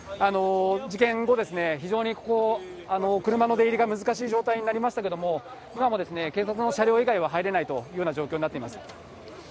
事件後、非常にここ、車の出入りが難しい状態になりましたけれども、今も警察の車両以外は入れないというような状況になっています。